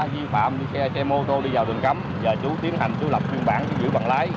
di phạm xe mô tô đi vào đường cấm giờ chú tiến hành chú lập phiên bản chú giữ bằng lái